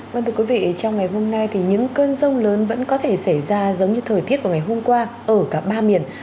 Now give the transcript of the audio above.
vâng thưa quý vị trong ngày hôm nay thì những cơn rông lớn vẫn có thể xảy ra giống như thời tiết vào ngày hôm qua ở cả ba miền